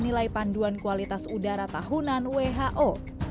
nilai panduan kualitas udara tahunan who